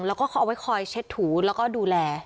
แล้วก็เขาเอาไว้คอยเช็ดถูแล้วก็ดูแล